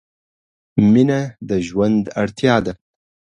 مینه د ژوند اړتیا ده.